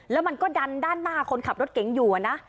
แล้วมันก็ดันด้านหน้าคนขับรถเก๋งอยู่นะ